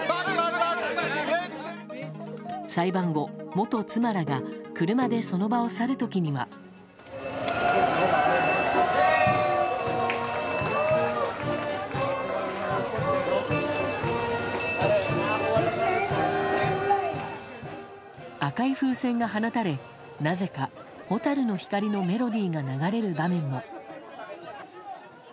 裁判後、元妻らが車でその場を去る時には。赤い風船が放たれなぜか「蛍の光」のメロディーが流れる場面も。